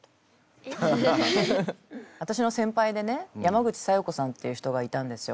私の先輩でね山口小夜子さんっていう人がいたんですよ。